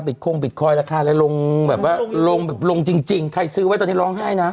บิทคลงบิทคอยตราคาแล้วลงแบบว่าหลงแบบลงจริงใครซื้อไว้ตัวนี้ล้องให้นะ